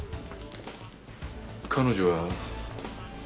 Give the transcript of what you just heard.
彼女は。